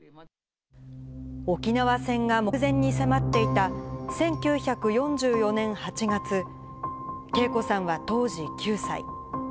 沖縄線が目前に迫っていた１９４４年８月、啓子さんは当時９歳。